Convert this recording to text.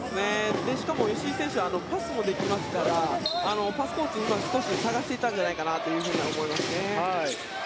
しかも吉井選手パスもできますからパスコースを今少し探していたんじゃないかなと思いますね。